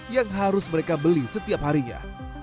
yang harus mereka beli setiap harinya